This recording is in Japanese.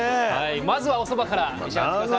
まずはおそばから召し上がって下さい。